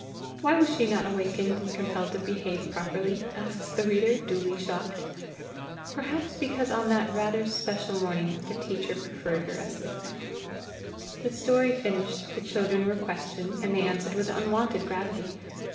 Why was she not awakened and compelled to behave properly? asks the reader, duly shocked. Perhaps because on that rather special morning the teacher preferred her asleep. [Illustration: ARULAI AND RUKMA, WITH NAVEENA.] The story finished, the children were questioned, and they answered with unwonted gravity.